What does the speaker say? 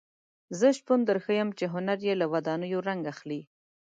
زه شپون درښیم چې هنر یې له ودانیو رنګ اخلي.